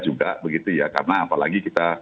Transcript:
juga begitu ya karena apalagi kita